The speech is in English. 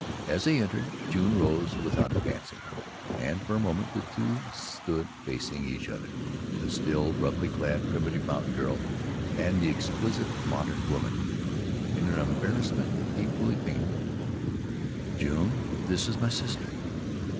As they entered June rose without advancing, and for a moment the two stood facing each other the still roughly clad, primitive mountain girl and the exquisite modern woman in an embarrassment equally painful to both. "June, this is my sister."